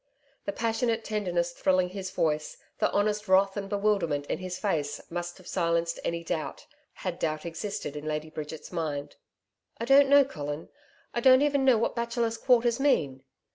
The passionate tenderness thrilling his voice, the honest wrath and bewilderment in his face must have silenced any doubt, had doubt existed in Lady Bridget's mind. 'I don't know, Colin. I don't even know what Bachelors' Quarters mean.